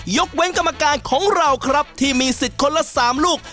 ยกเว้นกรรมการของเราครับที่มีสิทธิ์คนละ๓ลูก